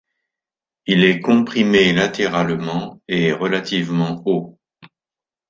Il est comprimé latéralement et est relativement haut.